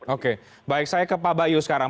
oke baik saya ke pak bayu sekarang